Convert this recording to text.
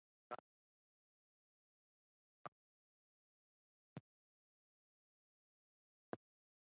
তার প্রধান শিষ্য ছিলেন নাম-ম্খা'-দ্পাল-ব্জাং নামক ত্রয়োদশ ঙ্গোর-ছেন।